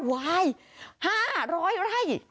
วาย๕๐๐ไร่